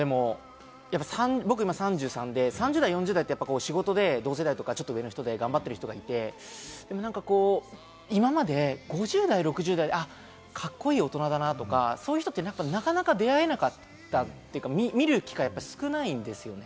僕、今３３歳で３０代、４０代って、仕事で同世代とか、上の人で頑張ってる人がいて、でもなんか今まで５０代、６０代でカッコいい大人だなとか、そういう人ってなかなか出会えなかった、見る機会、少ないんですよね。